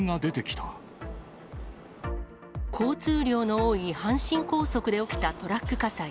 交通量の多い阪神高速で起きたトラック火災。